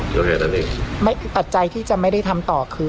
เจอแหงอันนี้ไม่แต้ควาทร์ใจที่จะไม่ได้ทำต่อคือ